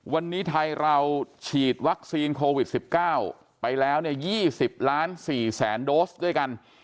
วันนี้ไทยเราฉีดวัคซีนโควิด๑๙ไปแล้ว๒๐ล้าน๔แสนโดสด้วยกัน